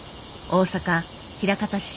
大阪枚方市。